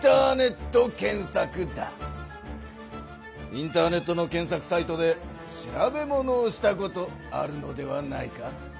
インターネットの検索サイトで調べものをしたことあるのではないか？